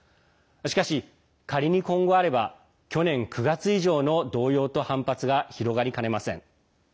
しかし、仮に今後あれば去年９月以上の動揺と反発が広がりかねません。